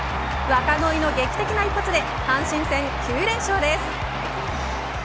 若鯉の劇的な一発で阪神戦９連勝です。